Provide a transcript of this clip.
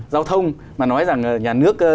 giao thông mà nói rằng nhà nước